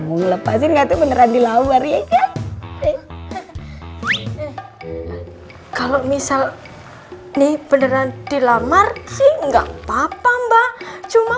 mau lepas enggak tuh beneran dilamar ya kan kalau misal nih beneran dilamar sih nggak papa mbak cuma